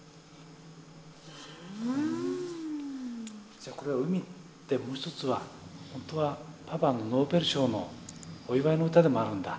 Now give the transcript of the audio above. じゃあこれは海ってもう一つはほんとはパパのノーベル賞のお祝いの歌でもあるんだ。